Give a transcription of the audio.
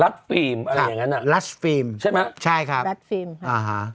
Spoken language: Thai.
ฟิล์มอะไรอย่างงั้นอ่ะรัชฟิล์มใช่ไหมใช่ครับรัฐฟิล์มค่ะอ่าฮะ